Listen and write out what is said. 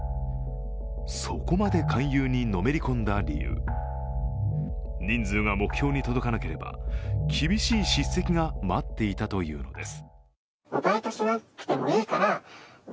そこまで勧誘にのめり込んだ理由人数が目標の届かなければ厳しい叱責が待っていたというのです。